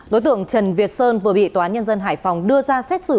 đối tượng trần việt sơn vừa bị tòa nhân dân hải phòng đưa ra xét xử